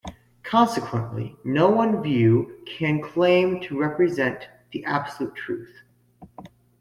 Consequently, no one view can claim to represent the absolute truth.